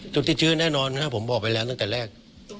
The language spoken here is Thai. ต้นที่ชื่อแน่นอนนะผมบอกไปแล้วตั้งแต่แรก